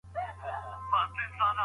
يا هم په نس ماړه نه وي.